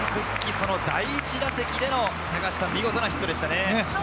その第１打席で見事なヒットでしたね。